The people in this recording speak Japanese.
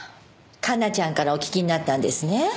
加奈ちゃんからお聞きになったんですね。